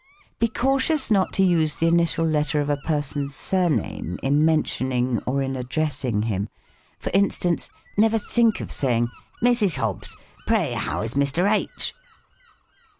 Be cautious not to use the initial letter of a person's surname, in mentioning or in addressing him. For instance, never think of saying, " Mrs. Hobbs, pray, how is Mr. H.